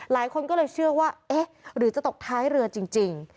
หลายคนก็เลยเชื่อว่าเอ๊ะหรือจะตกท้ายเรือจริง